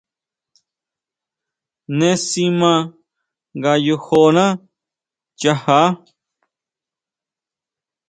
Neé si ma nga yojoná nchajá.